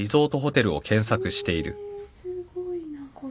えすごいなこれ。